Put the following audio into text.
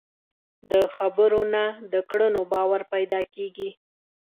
د خبرو نه، د کړنو باور پیدا کېږي.